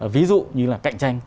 ví dụ như là cạnh tranh